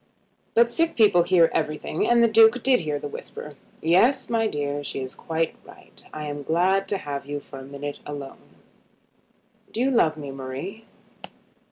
But sick people hear everything, and the Duke did hear the whisper. "Yes, my dear; she is quite right. I am glad to have you for a minute alone. Do you love me, Marie?"